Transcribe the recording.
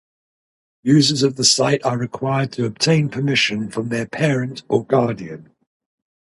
Users of the site are required to obtain permission from their parent or guardian.